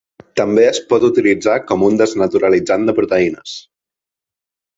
També es pot utilitzar com un desnaturalitzant de proteïnes.